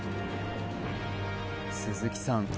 鈴木さん